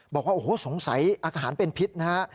บอกว่าโอ้โหสงสัยอาหารเป็นพิษนะฮะ